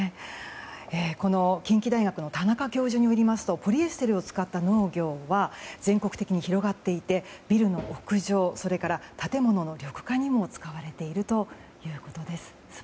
近畿大学の田中教授によりますとポリエステルを使った農業は全国的に広がっていてビルの屋上や建物の緑化にも使われているということです。